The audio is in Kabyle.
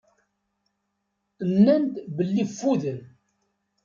Nnan-d belli ffuden.